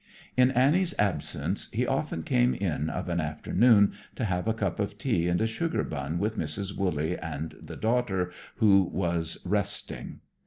In Annie's absence he often came in of an afternoon to have a cup of tea and a sugar bun with Mrs. Wooley and the daughter who was "resting."